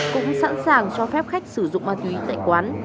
cũng sẵn sàng cho phép khách sử dụng ma túy tại quán